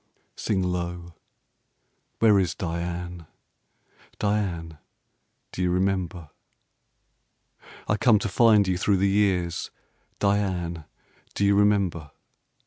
Sing low, where is Diane? Diane do you remember? I come to find you through the years Diane! do you remember?